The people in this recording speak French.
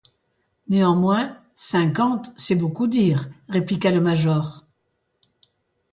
Néanmoins, cinquante, c’est beaucoup dire, répliqua le major.